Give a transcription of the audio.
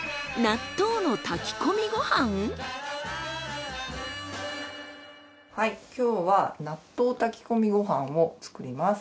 はい今日は納豆炊き込みご飯を作ります。